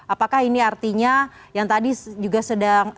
apakah ini artinya yang tadi juga sedang